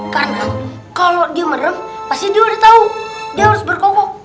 karena kalau dia merem pasti dia udah tahu dia harus berkokok